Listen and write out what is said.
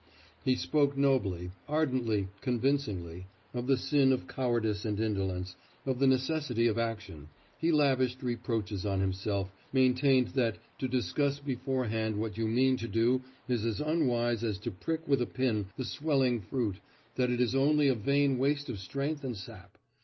He spoke nobly, ardently, convincingly, of the sin of cowardice and indolence, of the necessity of action. He lavished reproaches on himself, maintained that to discuss beforehand what you mean to do is as unwise as to prick with a pin the swelling fruit, that it is only a vain waste of strength and sap.